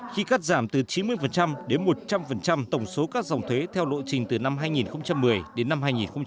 khi cắt giảm từ chín mươi đến một trăm linh tổng số các dòng thuế theo lộ trình từ năm hai nghìn một mươi đến năm hai nghìn hai mươi